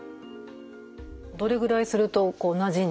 どれぐらいするとこうなじんで？